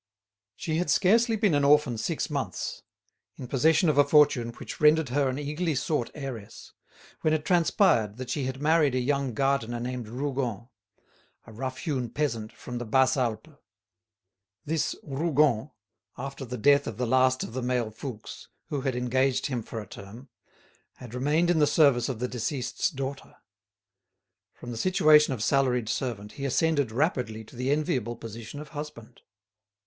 She had scarcely been an orphan six months, in possession of a fortune which rendered her an eagerly sought heiress, when it transpired that she had married a young gardener named Rougon, a rough hewn peasant from the Basses Alpes. This Rougon, after the death of the last of the male Fouques, who had engaged him for a term, had remained in the service of the deceased's daughter. From the situation of salaried servant he ascended rapidly to the enviable position of husband.